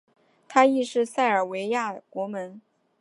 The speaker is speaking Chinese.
他亦是塞尔维亚国门。